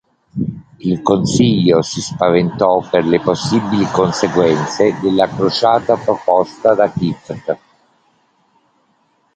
Il Consiglio si spaventò per le possibili conseguenze della crociata proposta da Kieft.